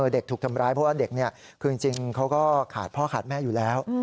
เด็กถูกทำร้ายเพราะว่าเด็กคือจริงเขาก็ขาดพ่อขาดแม่อยู่แล้ว